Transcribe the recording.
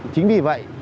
chính vì vậy